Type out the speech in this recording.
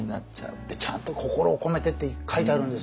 でちゃんと「心を込めて」って書いてあるんですよ